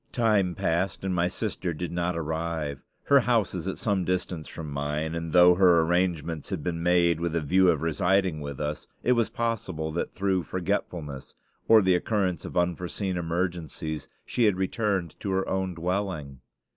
Time passed, and my sister did not arrive. Her house is at some distance from mine, and though her arrangements had been made with a view of residing with us, it was possible that through forgetfulness, or the occurrence of unforeseen emergencies, she had returned to her own dwelling.